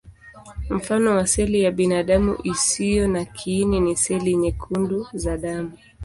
Mfano wa seli ya binadamu isiyo na kiini ni seli nyekundu za damu.